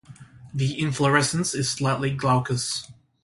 The inflorescence is slightly glaucous.